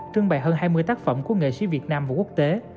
trưng bày hơn hai mươi tác phẩm của nghệ sĩ việt nam và quốc tế